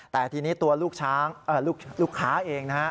แต่ทีนี้ตัวลูกค้าเองนะฮะ